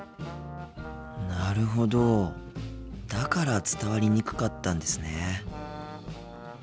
なるほどだから伝わりにくかったんですね。